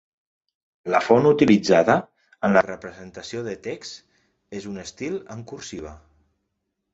La font utilitzada en la representació de TeX és un estil en cursiva.